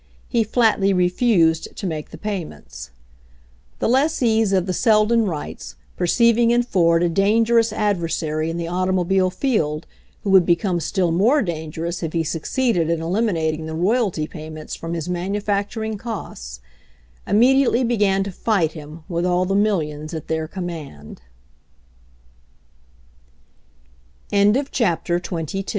He flatly refused to make the payments. The lessees of the Seldon rights, perceiving in Ford a dangerous adversary in the automobile field, who would become still more dangerous if he succeeded in eliminating the royalty payments from his manufacturing costs, immediately began to fight him with all